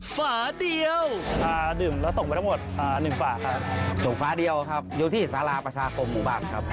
ฝาเดียวครับ